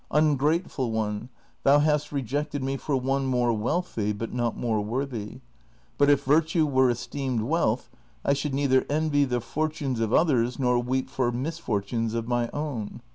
Ungrateful one, thou hast re jected me for one more wealthy, hut not more worthy ; biit if virtue toere esteemed xvealth I should neither envy the fortunes of others nor weep for misfortunes of my own.